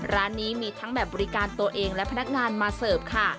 ร้านนี้มีทั้งแบบบริการตัวเองและพนักงานมาเสิร์ฟค่ะ